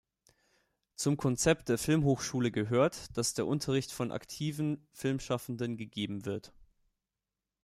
Zum Konzept der Filmhochschule gehört, dass der Unterricht von aktiven Filmschaffenden gegeben wird.